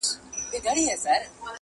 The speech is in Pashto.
o هوښياره مرغۍ په دوو لومو کي بندېږي!